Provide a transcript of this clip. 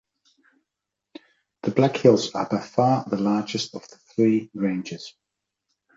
The Black Hills are by far the largest of the three ranges.